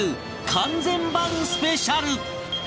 完全版スペシャル